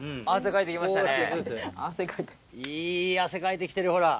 いい汗かいて来てるほら。